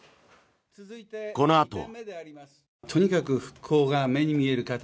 このあとは。